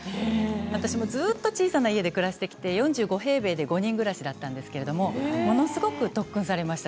私もずっと小さな家で暮らしてきて４５平米で５人暮らしだったんですけどものすごく特訓されました。